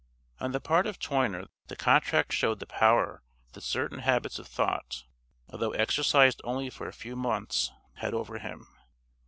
On the part of Toyner the contract showed the power that certain habits of thought, although exercised only for a few months, had over him.